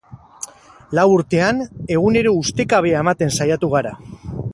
Lau urtean, egunero ustekabea ematen saiatu gara.